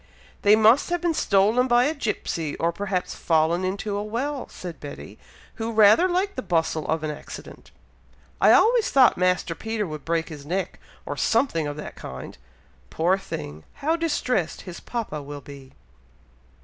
"They must have been stolen by a gipsey, or perhaps fallen into a well," said Betty, who rather liked the bustle of an accident. "I always thought Master Peter would break his neck, or something of that kind. Poor thing! how distressed his papa will be!"